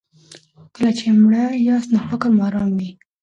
کله چې مړه یاست نو فکر مو ارام وي.